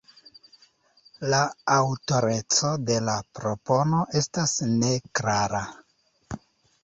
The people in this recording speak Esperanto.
La aŭtoreco de la propono estas neklara.